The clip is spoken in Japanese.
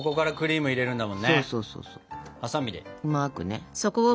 うまくね。